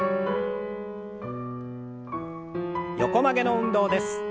横曲げの運動です。